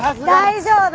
大丈夫！